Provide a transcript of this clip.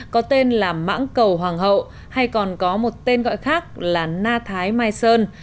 có tên là mãng cầu hoàng hậu hay còn có một tên gọi khác là na thái mai sơn